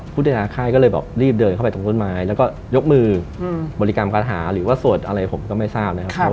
พุทธาค่ายก็เลยแบบรีบเดินเข้าไปตรงต้นไม้แล้วก็ยกมือบริกรรมคาถาหรือว่าสวดอะไรผมก็ไม่ทราบนะครับ